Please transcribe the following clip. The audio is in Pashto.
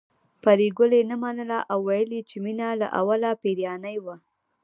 پري ګلې نه منله او ويل يې چې مينه له اوله پيريانۍ وه